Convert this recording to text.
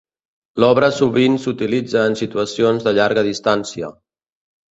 L'obra sovint s'utilitza en situacions de llarga distància.